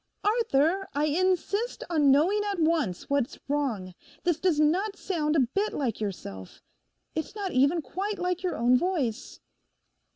'Arthur, I insist on knowing at once what's wrong; this does not sound a bit like yourself. It is not even quite like your own voice.